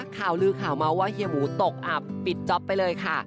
ข่าวลือข่าวเมาส์ว่าเฮียหมูตกอับปิดจ๊อปไปเลยค่ะ